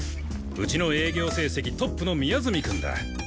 うちの営業成績トップの宮澄くんだ。